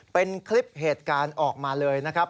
เป็นคลิปเหตุการณ์ออกมาเลยนะครับ